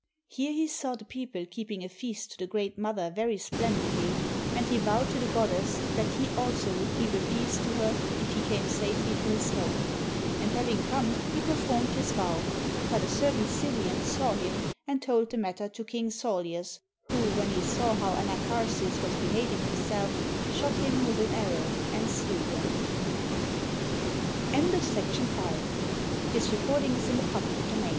Here he saw the people keeping a feast to the Great Mother very splendidly; and he vowed to the goddess that he also would keep a feast to her if he came safely to his home. And having come he performed his vow, but a certain Scythian saw him, and told the mat ter to King Saulius, who, when he saw how Anacharsis was behaving himself, shot him with an arrow and slew him.